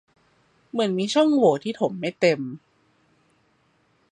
เหมือนมีช่องโหว่ที่ถมไม่เต็ม